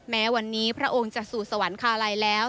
แม้วันนี้พระองค์จะสู่สวรรคาลัยแล้ว